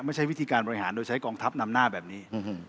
ไม่ใช่วิธีการบริหารโดยใช้กองทัพนำหน้าแบบนี้